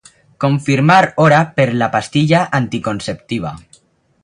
Confirmar hora per la pastilla anticonceptiva.